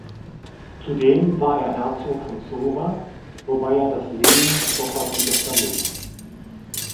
Zudem war er Herzog von Sora, wobei er das Lehen sofort wieder verlor.